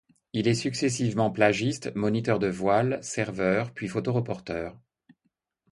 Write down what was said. Il est successivement plagiste, moniteur de voile, serveur, puis photo-reporter.